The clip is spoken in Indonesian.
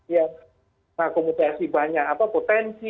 yang mengakomodasi banyak potensi